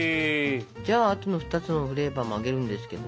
じゃああとの２つのフレーバーも揚げるんですけどね。